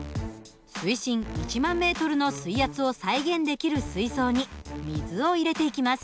水深１万ｍの水圧を再現できる水槽に水を入れていきます。